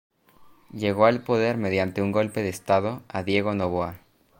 Llegó al poder mediante un golpe de estado a Diego Noboa.